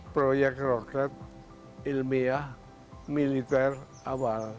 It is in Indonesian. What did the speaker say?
proyek roket ilmiah militer awal